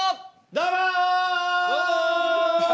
どうも！